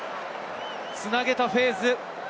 繋げたフェーズ。